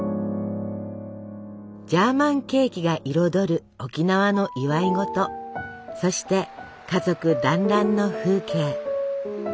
ジャーマンケーキが彩る沖縄の祝い事そして家族団らんの風景。